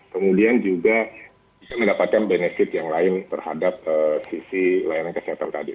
kemudian juga bisa mendapatkan benefit yang lain terhadap sisi layanan kesehatan tadi